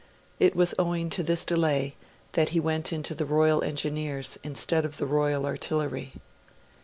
It was owing to this delay that he went into the Royal Engineers, instead of the Royal Artillery.